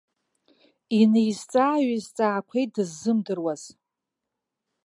Инеизҵаа-ҩеизҵаақәеит дыззымдыруаз.